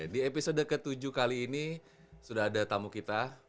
di episode ke tujuh kali ini sudah ada tamu kita